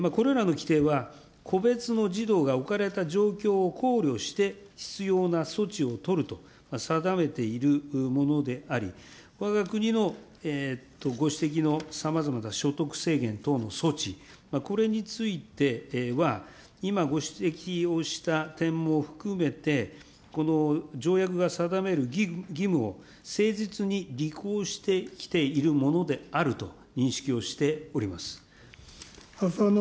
これらの規定は、個別の児童が置かれた状況を考慮して、必要な措置を取ると定めているものであり、わが国のご指摘のさまざまな所得制限等の措置、これについては、今ご指摘をした点も含めて、この条約が定める義務を誠実に履行してきているものであると認識をしております。